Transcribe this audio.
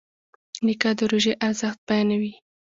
نیکه د روژې ارزښت بیانوي.